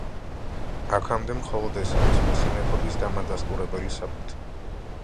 აქამდე მხოლოდ ეს არის მისი მეფობის დამადასტურებელი საბუთი.